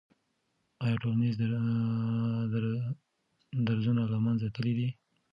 آیا ټولنیز درزونه له منځه تللی سي؟